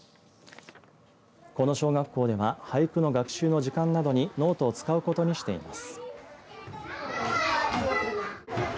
この小学校では俳句の学習の時間などにノートを使うことにしています。